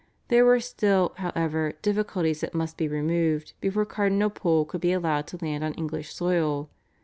There were still, however, difficulties that must be removed before Cardinal Pole could be allowed to land on English soil.